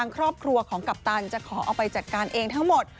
ครอบครัวของกัปตันจะขอเอาไปจัดการเองทั้งหมด